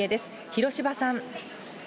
広芝さん。